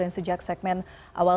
yang sejak segmen awal